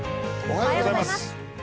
おはようございます。